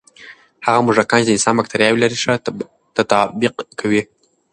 هغه موږکان چې د انسان بکتریاوې لري، ښه تطابق کوي.